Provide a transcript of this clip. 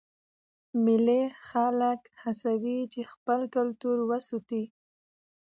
مېلې خلک هڅوي چې خپل کلتور وساتي.